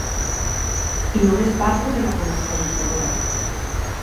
I només parlo de la comercialitzadora.